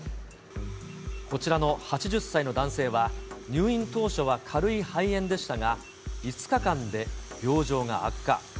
こちらの８０歳の男性は、入院当初は軽い肺炎でしたが、５日間で病状が悪化。